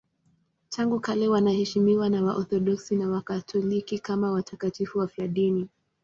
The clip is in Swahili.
Tangu kale wanaheshimiwa na Waorthodoksi na Wakatoliki kama watakatifu wafiadini.